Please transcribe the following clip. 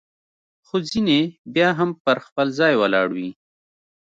خو ځیني بیا هم پر خپل ځای ولاړ وي.